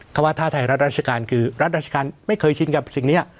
เขาว่าถ้าไทยรัฐราชการคือรัฐราชการไม่เคยชินกับสิ่งนี้